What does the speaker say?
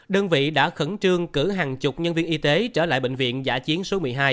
đơn vị đã khẩn trương cử hàng chục nhân viên y tế trở lại bệnh viện giả chiến số một mươi hai